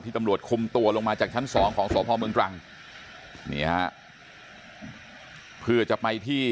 ที่ตำรวจคมตัวลงมาจากชั้น๒ของสพภมตรังเพื่อจะไปที่